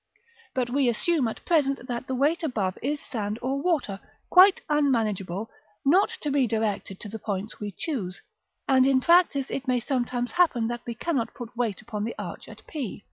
But we assume at present that the weight above is sand or water, quite unmanageable, not to be directed to the points we choose; and in practice, it may sometimes happen that we cannot put weight upon the arch at p.